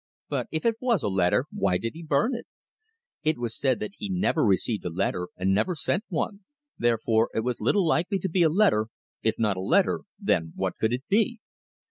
But if it was a letter, why did he burn it? It was said that he never received a letter and never sent one, therefore it was little likely to be a letter if not a letter, then what could it be?